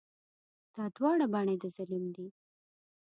دا دواړه بڼې د ظلم دي.